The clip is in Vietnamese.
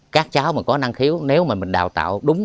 các cháu mà có năng khiếu nếu mà mình đào tạo đúng